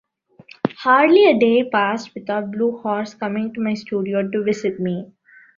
Hardly a day passed without Blue Horse coming to my studio to visit me.